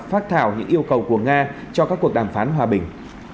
phát thảo những yêu cầu của nga cho các cuộc đàm phán hòa bình